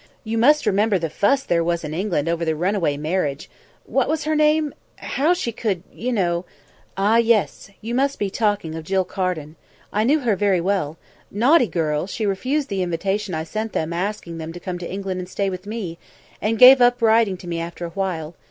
You must remember the fuse there was in England over the runaway marriage what was her name? how she could, you know " "Ah! yes. You must be talking of Jill Carden. I knew her very well. Naughty girl, she refused the invitation I sent them asking them to come to England and stay with me, and gave up writing to me after a while.